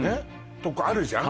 とこあるじゃん